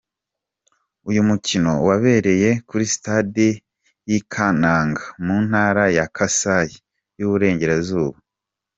Uyu mukino wabereye kuri stade y’i Kananga mu ntara ya Kasai y’Uburengerazuba.